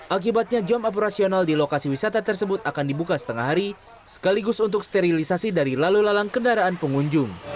akibatnya jam operasional di lokasi wisata tersebut akan dibuka setengah hari sekaligus untuk sterilisasi dari lalu lalang kendaraan pengunjung